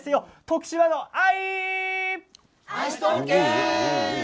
徳島の藍！